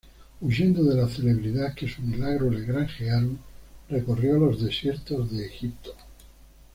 Huyendo de la celebridad que sus milagros le granjearon, recorrió los desiertos de Egipto.